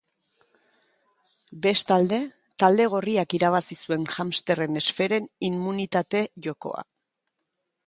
Bestalde, talde gorriak irabazi zuen hamsterren esferen inmunitate jokoa.